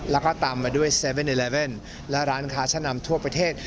และก็ตามแบบ๗๑๑และร้านขาชั้นนำทั่วประเทศ